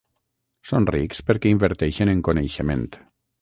Són rics perquè inverteixen en coneixement.